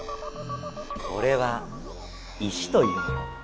これは石というもの。